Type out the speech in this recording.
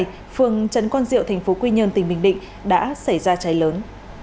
phường trấn quang diệu tp quy nhơn tỉnh bình định đã xảy ra cháy lớn